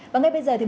và ngay bây giờ